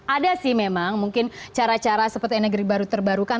ada sih memang mungkin cara cara seperti energi baru terbarukan